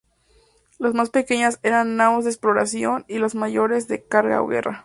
Las más pequeñas eran naos de exploración, y las mayores, de carga o guerra.